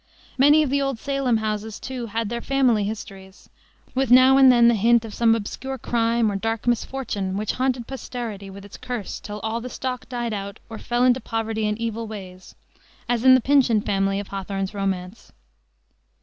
Many of the old Salem houses, too, had their family histories, with now and then the hint of some obscure crime or dark misfortune which haunted posterity with its curse till all the stock died out, or fell into poverty and evil ways, as in the Pyncheon family of Hawthorne's romance.